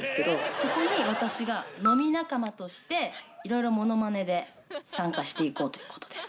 そこに私が飲み仲間としていろいろものまねで参加して行こうということです。